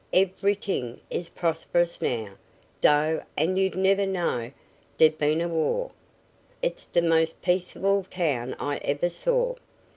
Every t'ing is prosperous now, dough, an' you'd never know dere'd been a war. It's d'most peaceable town I ever saw."